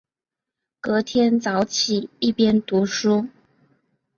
隔天早起一边读书